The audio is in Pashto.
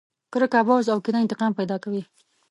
کرکه، بغض او کينه انتقام پیدا کوي.